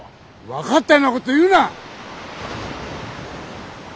分かったようなことを言うな！